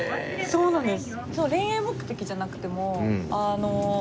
そうなんです。